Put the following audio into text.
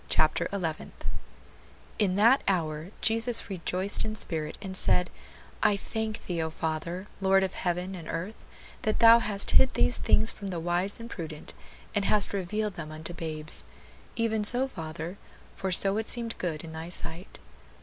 CHAPTER ELEVENTH "In that hour Jesus rejoiced in spirit, and said, I thank thee, O Father, Lord of heaven and earth, that thou hast hid these things from the wise and prudent, and hast revealed them unto babes; even so, Father; for so it seemed good in thy sight."